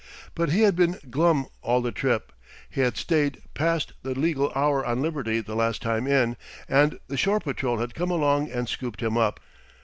But he had been glum all the trip. He had stayed past the legal hour on liberty the last time in, and the shore patrol had come along and scooped him up.